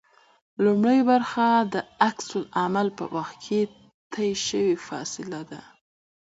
لومړۍ برخه د عکس العمل په وخت کې طی شوې فاصله ده